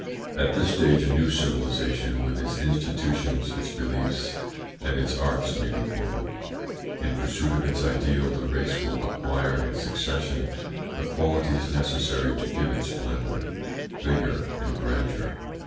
At this stage a new civilisation, with its institutions, its beliefs, and its arts, may be born. In pursuit of its ideal, the race will acquire in succession the qualities necessary to give it splendour, vigour, and grandeur.